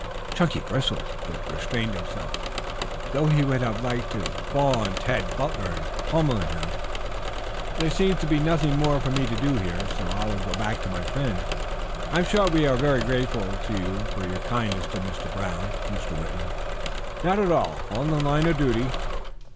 Chunky bristled, but restrained himself, though he would have liked to fall on Tad Butler and pummel him. "There seems to be nothing more for me to do here, so I will go back to my friends. I am sure we are very grateful to you for your kindness to Mr. Brown, Mr. Whitman." "Not at all. All in the line of my duty."